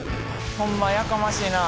ほんまやかましいな。